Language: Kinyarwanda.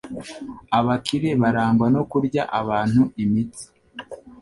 Abakire barangwa no kurya abantu imitsi.